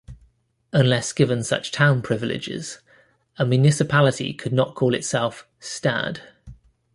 Unless given such town privileges, a municipality could not call itself "stad".